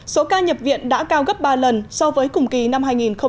số ca nhập viện đã cao gấp ba lần so với cùng kỳ năm hai nghìn một mươi tám